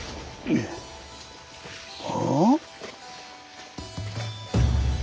ああ？